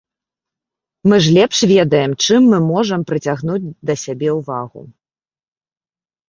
Мы ж лепш ведаем, чым мы можам прыцягнуць да сябе ўвагу.